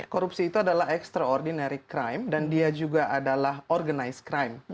korupsi itu adalah extraordinary crime dan dia juga adalah organized crime